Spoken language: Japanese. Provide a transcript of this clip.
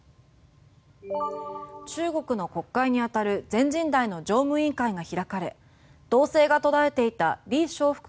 中国の国会にあたる全人代の常務委員会が開かれ動静が途絶えていたリ・ショウフク